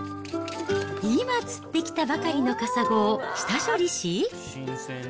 今釣ってきたばかりのカサゴを、下処理し。